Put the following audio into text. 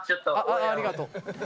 ありがとう。